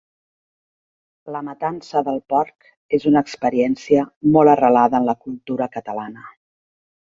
La matança del porc és una experiència molt arrelada en la cultura catalana.